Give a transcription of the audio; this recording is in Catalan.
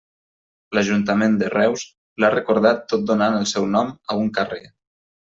L'Ajuntament de Reus l'ha recordat tot donant el seu nom a un carrer.